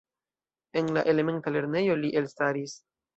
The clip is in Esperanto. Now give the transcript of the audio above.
En la elementa lernejo li elstaris.